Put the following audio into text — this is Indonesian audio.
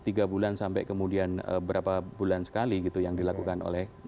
tiga bulan sampai kemudian berapa bulan sekali gitu yang dilakukan oleh